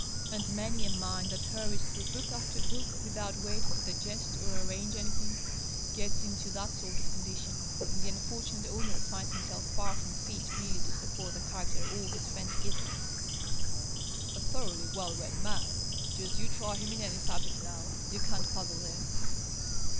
And many a mind that hurries through book after book, without waiting to digest or arrange anything, gets into that sort of condition, and the unfortunate owner finds himself far from fit really to support the character all his friends give him. 'A thoroughly well read man. Just you try him in any subject, now. You can't puzzle him.'